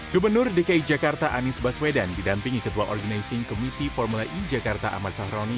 gubernur dki jakarta anies baswedan didampingi ketua organizing komite formula e jakarta ahmad sahroni